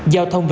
giao thông về